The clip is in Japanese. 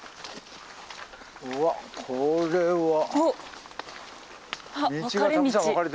うわっこれは。おっ！